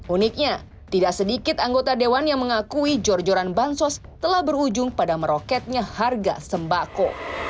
uniknya tidak sedikit anggota dewan yang mengakui jor joran bansos telah berujung pada meroketnya harga sembako